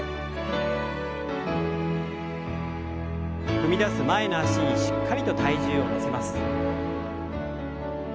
踏み出す前の脚にしっかりと体重を乗せます。